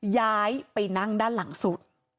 ย้ายไปนั่งด้านหลังสุด